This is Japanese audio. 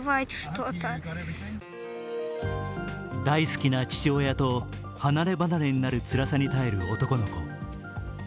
大好きな父親と離れ離れになる、つらさに耐える男の子。